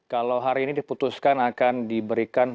kalau hari ini diputuskan akan diberikan